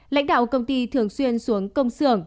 lãnh đạo công ty thường xuyên xuống công xưởng